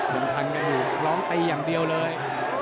ยังพันกันอยู่ร้องตีอย่างเดียวเลย